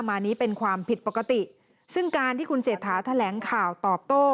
มานี้เป็นความผิดปกติซึ่งการที่คุณเศรษฐาแถลงข่าวตอบโต้